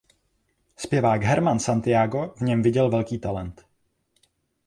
Zpěvák Herman Santiago v něm viděl velký talent.